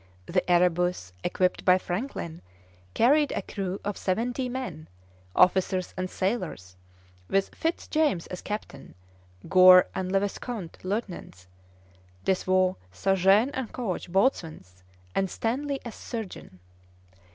The Erebus, equipped by Franklin, carried a crew of seventy men, officers and sailors, with Fitz James as captain; Gore and Le Vesconte, lieutenants; Des Voeux, Sargent, and Couch, boatswains; and Stanley as surgeon.